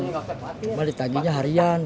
cuma ditagihnya harian